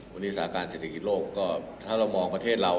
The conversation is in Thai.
วันนี้สถิติกิจโลกถ้าเรามองประเทศเรา